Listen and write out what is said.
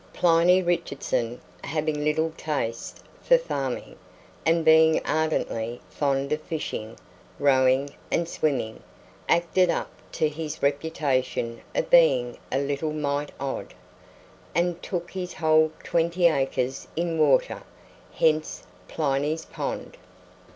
Pliny Richardson, having little taste for farming, and being ardently fond of fishing, rowing, and swimming, acted up to his reputation of being "a little mite odd," and took his whole twenty acres in water hence Pliny's Pond.